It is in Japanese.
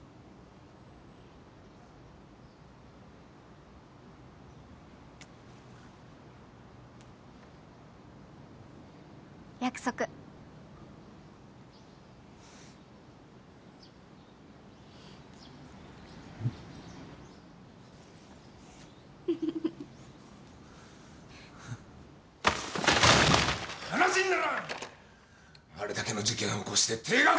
あれだけの事件を起こして停学で済むなんて。